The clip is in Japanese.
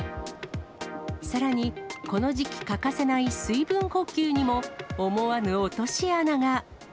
さらにこの時期、欠かせない水分補給にも思わぬ落とし穴が。